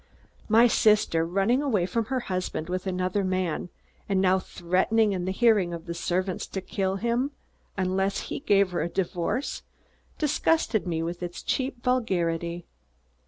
My sister, running away from her husband with another man and now threatening, in the hearing of the servants, to kill him, unless he gave her a divorce, disgusted me with its cheap vulgarity.